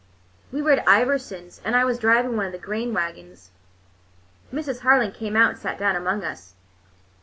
We were at Iversons', and I was driving one of the grain wagons." Mrs. Harling came out and sat down among us.